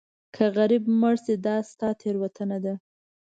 که غریب مړ شې دا ستا تېروتنه ده.